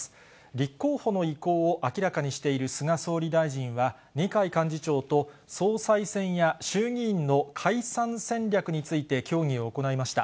立候補の意向を明らかにしている菅総理大臣は、二階幹事長と、総裁選や衆議院の解散戦略について協議を行いました。